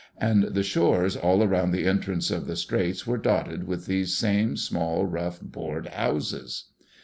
And the shores all around the entrance of the straits were dotted with these same small, rough, board houses.